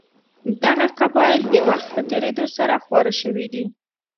دغه قبایل د وخت په تېرېدو سره خواره شوي دي.